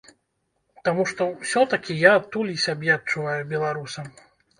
Таму што ўсё-такі я адтуль і сябе адчуваю беларусам.